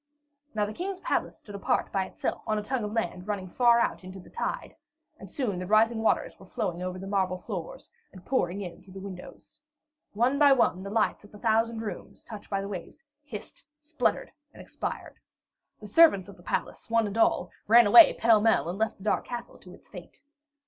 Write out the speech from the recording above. Now the King's palace stood apart by itself on a tongue of land running far out into the tide, and soon the rising waters were flowing over the marble floors and pouring in through the windows. One by one, the lights in the thousand rooms, touched by the waves, hissed, sputtered, and expired. The servants of the palace, one and all, ran away pell mell, and left the dark castle to its fate.